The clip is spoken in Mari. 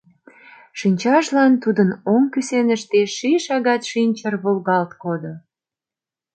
Шинчажлан тудын оҥ кӱсеныште ший шагат шинчыр волгалт кодо.